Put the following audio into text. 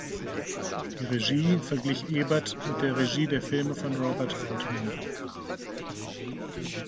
Die Regie verglich Ebert mit der Regie der Filme von Robert Altman.